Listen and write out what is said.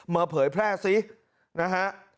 เผยแพร่ซินะฮะ